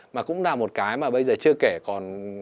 mà cũng là một cái mà bây giờ chưa kể còn